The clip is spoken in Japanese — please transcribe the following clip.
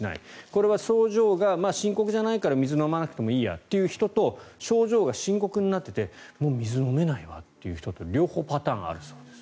これは症状が深刻じゃないから水を飲まなくてもいいやという人と症状が深刻になっていてもう水を飲めないわという人と両方、パターンがあるそうです。